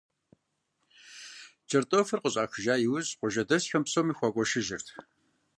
Кӏэртӏофыр къыщӏахыжа иужь, къуажэдэсхэм псоми хуагуэшыжырт.